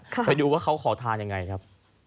ไปดูว่าเขาขอทานยังไงครับ